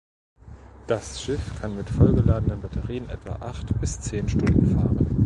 Das Schiff kann mit voll geladenen Batterien etwa acht bis zehn Stunden fahren.